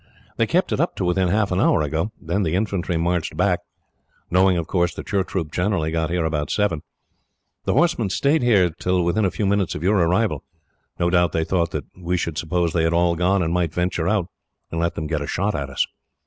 They kept it up to within half an hour ago. Then the infantry marched back, knowing, of course, that your troop generally got here about seven. "The horsemen stayed here till within a few minutes of your arrival. No doubt they thought that we should suppose they had all gone, and might venture out, and let them get a shot at us."